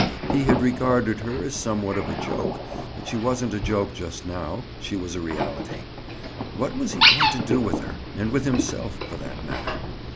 He had regarded her as somewhat of a joke, but she wasn't a joke just now; she was a reality. What was he going to do with her, and with himself, for that matter?